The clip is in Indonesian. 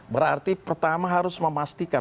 berarti pertama harus memastikan